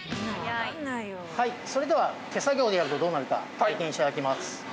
それでは手作業でやるとどうなるか体験して頂きます。